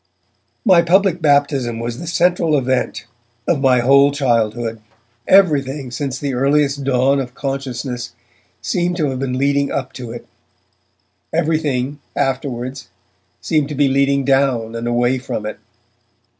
My public baptism was the central event of my whole childhood. Everything, since the earliest dawn of consciousness, seemed to have been leading up to it. Everything, afterwards, seemed to be leading down and away from it.